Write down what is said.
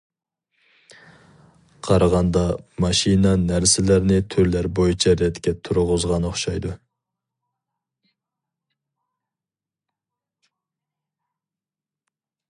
قارىغاندا ماشىنا نەرسىلەرنى تۈرلەر بويىچە رەتكە تۇرغۇزغان ئوخشايدۇ.